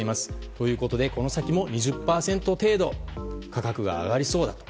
ということで、この先も２０％程度価格が上がりそうだと。